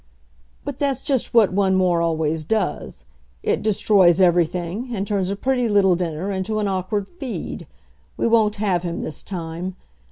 "But that's just what one more always does. It destroys everything, and turns a pretty little dinner into an awkward feed. We won't have him this time.